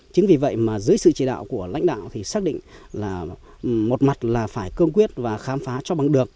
chính vì vậy mà dưới sự chỉ đạo của lãnh đạo thì xác định là một mặt là phải cương quyết và khám phá cho bằng được